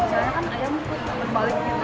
dilihat dari tampilannya nggak kayak di situ aja